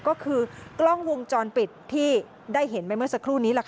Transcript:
ก็คือกล้องวงจรปิดที่ได้เห็นไปเมื่อสักครู่นี้